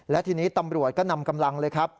และทีนี้ตำรวจก็นำกำลังเลยครับ